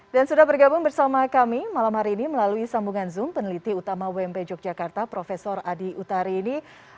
dan sudah bergabung bersama kami malam hari ini melalui sambungan zoom peneliti utama wmp yogyakarta prof adi utarini